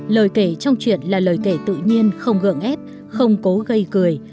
lời kể trong chuyện là lời kể tự nhiên không cưỡng ép không cố gây cười